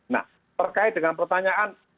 nah berkait dengan pertanyaan